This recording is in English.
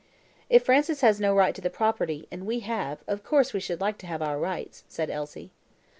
"If Francis has no right to the property, and we have, of course we should like to have our rights," said Elsie.